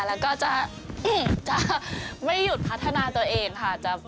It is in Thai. แล้วก็จะไม่หยุดพัฒนาตัวเองค่ะ